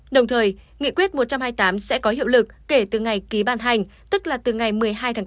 đồng thời nghị quyết một trăm hai mươi tám sẽ có hiệu lực kể từ ngày ký ban hành tức là từ ngày một mươi hai tháng chín